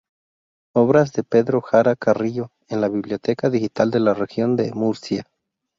Obras de Pedro Jara Carrillo en la Biblioteca Digital de la Región de Murcia